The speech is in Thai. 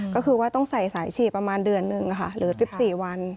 ก็คือว่าต้องใส่สายฉีดประมาณเดือนหนึ่งค่ะหรือ๑๔วัน